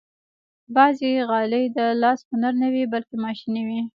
بعضې غالۍ د لاس هنر نه وي، بلکې ماشيني وي.